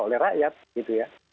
oleh rakyat gitu ya